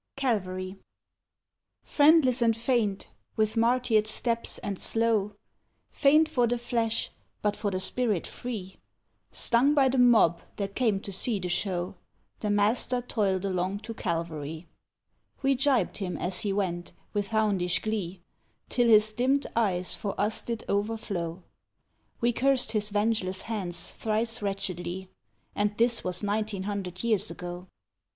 Calvary Friendless and faint, with martyred steps and slow, Faint for the flesh, but for the spirit free, Stung by the mob that came to see the show, The Master toiled along to Calvary; We gibed him, as he went, with houndish glee, Till his dimmed eyes for us did overflow; We cursed his vengeless hands thrice wretchedly, And this was nineteen hundred years ago.